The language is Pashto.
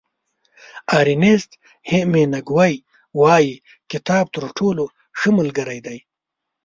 ارنیست هېمېنګوی وایي کتاب تر ټولو ښه ملګری دی.